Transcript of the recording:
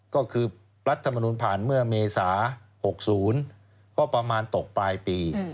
ก็คือรัฐมนุนผ่านเมื่อเมษา๖๐ก็ประมาณตกปลายปี